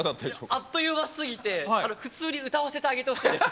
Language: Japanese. あっという間すぎて普通に歌わせてあげてほしいです。